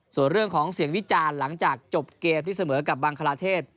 ส่วนเรื่องของเสียงวิจารณ์หลังจากจบเกมที่เสมอกับบังคลาเทศ